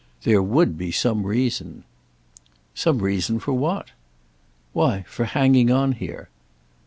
"There would be some reason." "Some reason for what?" "Why for hanging on here."